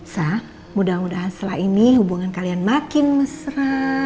sah mudah mudahan setelah ini hubungan kalian makin mesra